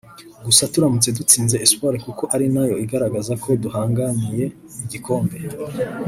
Gusa turamutse dutsinze Espoir kuko ari nayo igaragaza ko duhanganiye igikombe